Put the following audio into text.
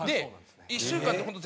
１週間本当